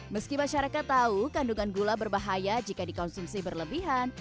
meski masyarakat tahu kandungan gula berbahaya jika dikonsumsi berlebihan